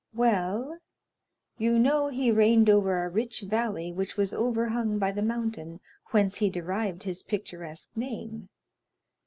"Well, you know he reigned over a rich valley which was overhung by the mountain whence he derived his picturesque name.